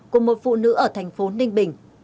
của một phụ nữ ở thành phố ninh bình